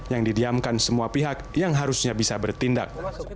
yang didiamkan semua pihak yang harusnya bisa bertindak